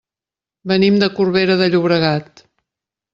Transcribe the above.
Venim de Corbera de Llobregat.